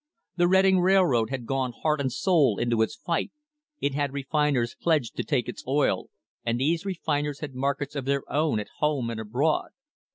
The Reading Railroad had gone heart and soul into its fight it had refiners pledged to take its oil, and these refiners had markets of their own at home and abroad.